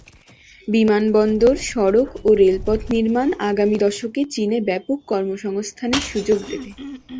বিমানবন্দর, সড়ক ও রেলপথ নির্মাণ আগামী দশকে চীনে ব্যাপক কর্মসংস্থানের সুযোগ দেবে।